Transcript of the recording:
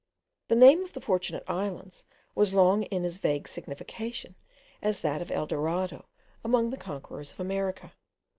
The name of Fortunate Islands was long in as vague signification, as that of El Dorado among the conquerors of America.